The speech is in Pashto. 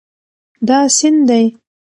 دا سیند دی